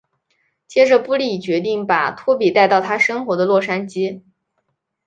接着布莉决定把拖比带到他生活的洛杉矶。